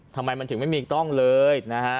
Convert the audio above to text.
ทำไมมันถึงไม่มีกล้องเลยนะฮะ